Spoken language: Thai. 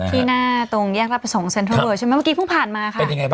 ที่หน้าตรงแยกรับประสงค์เซ็นทรัลเวิร์ดใช่ไหม